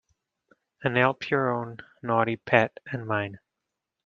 And help your own naughty pet and mine.